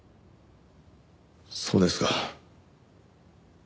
そうですか。